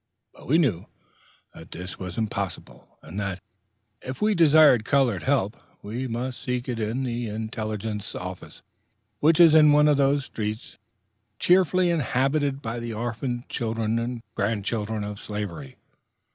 But we knew that this was impossible, and that, if we desired colored help, we must seek it at the intelligence office, which is in one of those streets chiefly inhabited by the orphaned children and grandchildren of slavery.